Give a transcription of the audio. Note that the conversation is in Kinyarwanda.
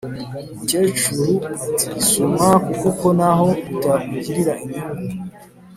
Umukecuru ati"sumwaku kuko naho bitakugirira inyungu